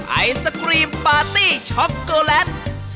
ไอศกรีมปาร์ตี้ช็อกโกแลต